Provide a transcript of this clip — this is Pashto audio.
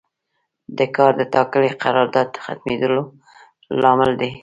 د کار د ټاکلي قرارداد ختمیدل لامل دی.